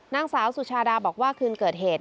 นางสาวสุชาดาบอกว่าคืนเกิดเหตุ